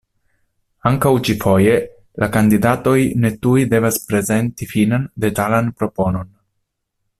Ankaŭ ĉi-foje la kandidatoj ne tuj devas prezenti finan, detalan proponon.